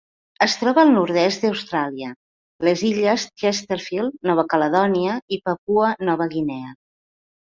Es troba al nord-oest d'Austràlia, les illes Chesterfield, Nova Caledònia i Papua Nova Guinea.